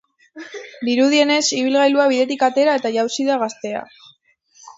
Dirudienez, ibilgailua bidetik atera eta jausi da gaztea.